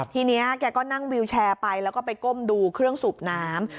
ทีนี้แกก็นั่งวิวแชร์ไปแล้วก็ไปก้มดูเครื่องสูบน้ำ